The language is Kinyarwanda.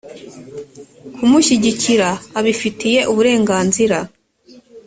kumushyigikira abifitiye uburenganzira